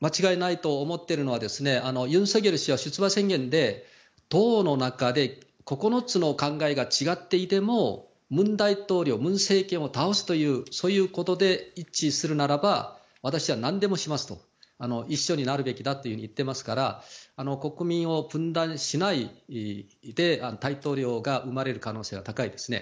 間違いないと思っているのはユン・ソクヨル氏は出馬宣言で党の中で９つの考えが違っていても文大統領、文政権を倒すというそういうことで一致するならば私は何でもしますと一緒になるべきだと言ってますから国民を分断しない大統領が生まれる可能性は高いです。